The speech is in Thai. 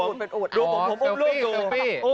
ดูผมอุ้มลูกอยู่